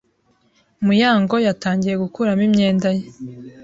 Muyango yatangiye gukuramo imyenda ye.